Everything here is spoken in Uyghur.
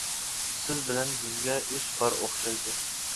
-سىز بىلەن بىزگە ئىش بار ئوخشايدۇ.